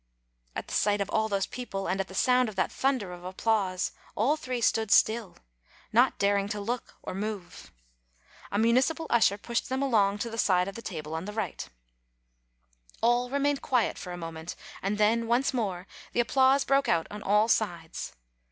At the sight of all those people, and at the sound of that thunder of applause, all three stood still, not daring to look or move. A municipal usher pushed them along to the side of the table on the right. CIVIC VALOR 241 All remained quiet for a moment, and then once more the applause broke out on all sides.